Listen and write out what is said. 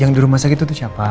yang di rumah sakit itu siapa